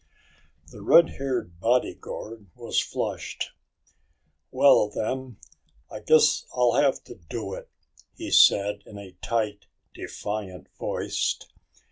The redhaired bodyguard was flushed. "Well, then, I guess I'll have to do it," he said in a tight, defiant voice.